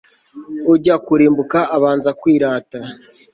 ujya kurimbuka abanza kwirata